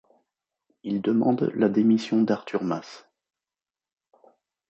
Il demande la démission d'Artur Mas.